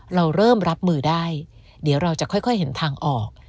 เราเริ่มรับมือได้เดี๋ยวเราจะค่อยเห็นทางออก